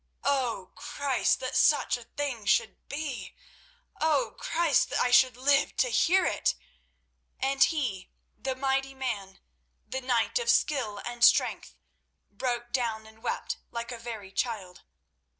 O, Christ, that such a thing should be! O, Christ, that I should live to hear it!" And he, the mighty man, the knight of skill and strength, broke down and wept like a very child.